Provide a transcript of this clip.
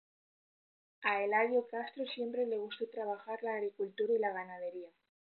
A Eladio Castro siempre le gustó trabajar la agricultura y la ganadería.